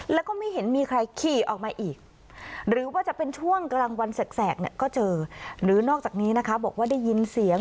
แล้วก็ไม่เห็นมีใครขี่ออกมาอีก